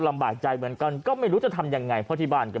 ลำบากใจเหมือนกันก็ไม่รู้จะทำยังไงเพราะที่บ้านก็